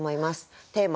テーマ